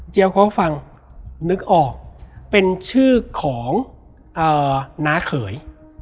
จริงเมื่อกอดภังนึกออกเป็นชื่อของนาเขย